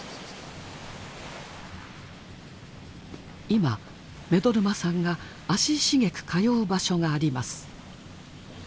今目取真さんが足しげく通う場所があります。